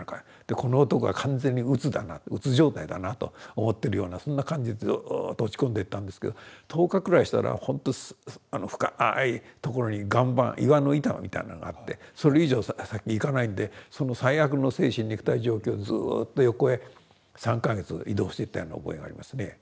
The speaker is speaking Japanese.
この男は完全にうつだなうつ状態だなと思ってるようなそんな感じでずっと落ち込んでったんですけど１０日くらいしたらほんと深いところに岩盤岩の板みたいなのがあってそれ以上先へ行かないんでその最悪の精神肉体状況をずっと横へ３か月移動していったような覚えがありますね。